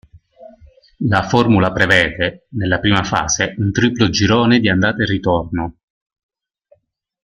La formula prevede, nella prima fase, un triplo girone di andata e ritorno.